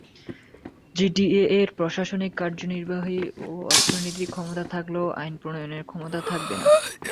জিটিএ-এর প্রশাসনিক, কার্যনির্বাহী ও অর্থনৈতিক ক্ষমতা থাকলেও আইন প্রণয়নের ক্ষমতা থাকবে না।